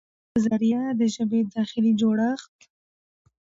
چې د هغه په ذريعه د ژبې داخلي جوړښت